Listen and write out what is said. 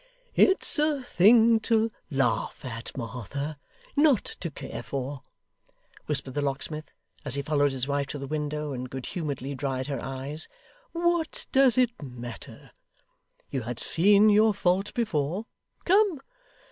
'It's a thing to laugh at, Martha, not to care for,' whispered the locksmith, as he followed his wife to the window, and good humouredly dried her eyes. 'What does it matter? You had seen your fault before. Come!